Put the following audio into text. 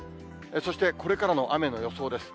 そしてこれからの雨の予想です。